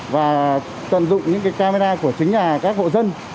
và tận dụng những camera của chính các hộ dân